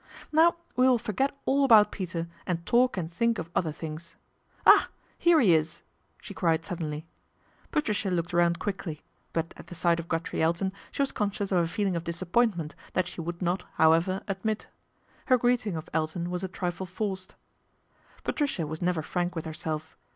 Now we will forget all about Peter and talk nd think of other things. Ah ! here he is," she tied suddenly. Patricia looked round quickly ; but at the ght of Godfrey Elton she was conscious of a :eling of disappointment that she would not, Dwever, admit. Her greeting of Elton was a ifle forced. Patricia was never frank with herself.